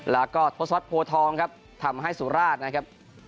แล้วก็ทศพรภโอทองศ์ทำให้สุราชนะครับ